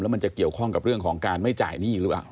มันจะเกี่ยวข้องกับเรื่องของการไม่จ่ายหนี้หรือเปล่า